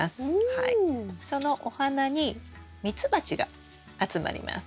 そのお花にミツバチが集まります。